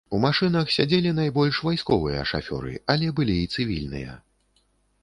У машынах сядзелі найбольш вайсковыя шафёры, але былі і цывільныя.